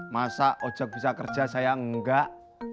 masa ojek bisa kerja saya enggak